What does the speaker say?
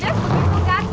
dev betul betul kan